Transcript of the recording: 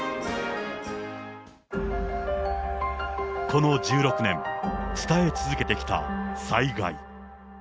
この１６年、伝え続けてきた災害。